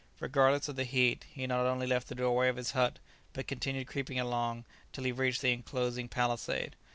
Regardless of the heat he not only left the doorway of his hut, but continued creeping along till he reached the enclosing palisade.